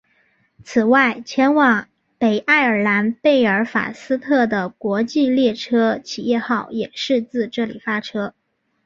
此外前往北爱尔兰贝尔法斯特的国际列车企业号也是自这里发车。